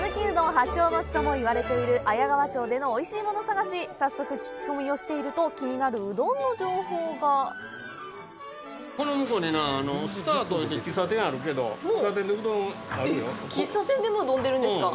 発祥の地ともいわれている綾川町でのおいしいもの探し早速聞き込みをしていると気になるうどんの情報がこの向こうにな喫茶店でもうどん出るんですか？